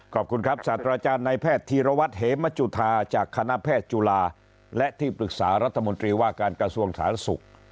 ขอบคุณครับศาสตราจารย์ในแพทย์ธีรวัตรเหมจุธาจากคณะแพทย์จุฬาและที่ปรึกษารัฐมนตรีว่าการกระทรวงสาธารณสุข